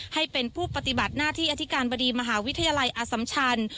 ให้เป็นผู้ปฏิบัติหน้าที่อธิการบดีมหาวิทยาลัยอสัมชัน